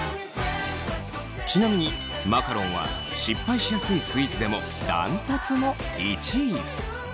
ちなみにマカロンは失敗しやすいスイーツでもダントツの１位。